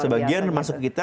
sebagian masuk kita